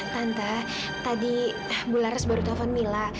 tante tadi bu laras baru telepon mila